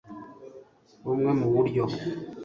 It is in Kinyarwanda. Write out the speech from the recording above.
bumwe mu buryo